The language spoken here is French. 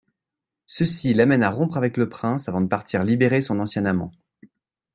Ceci l'amène à rompre avec le prince avant de partir libérer son ancien amant.